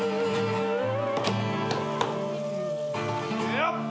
よっ！